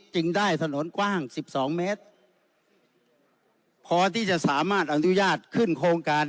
จึงได้ถนนกว้างสิบสองเมตรพอที่จะสามารถอนุญาตขึ้นโครงการ